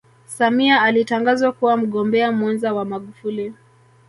samia alitangazwa kuwa mgombea mwenza wa magufuli